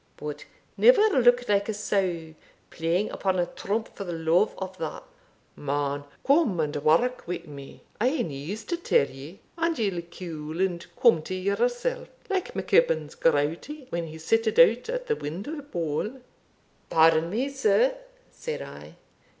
But never look like a sow playing upon a trump for the luve of that, man come and walk wi' me. I hae news to tell ye, and ye'll cool and come to yourself, like MacGibbon's crowdy, when he set it out at the window bole." "Pardon me, sir," said I.